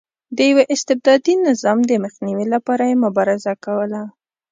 د یوه استبدادي نظام د مخنیوي لپاره یې مبارزه کوله.